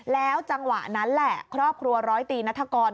แล้วจังหวะนั้นแหละครอบครัวร้อยตีนัฐกร